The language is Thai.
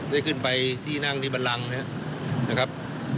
ได้ขึ้นไปที่นั่งนิบลัชว์นะครับ